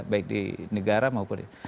baik di negara maupun di